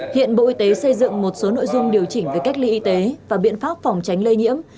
hiện bộ y tế xây dựng một số nội dung điều chỉnh về cách ly y tế và biện pháp phòng tránh lây nhiễm